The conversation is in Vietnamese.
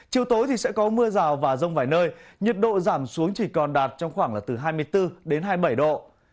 chiều tối thì sẽ có mưa rào và rông vài nơi nhiệt độ giảm xuống chỉ còn đạt trong khoảng là từ hai mươi bốn đến hai mươi bảy độ